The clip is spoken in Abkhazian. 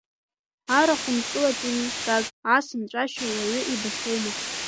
Арахә нкылатәыми, Гаг, ас нҵәашьа уаҩы иабхьоума?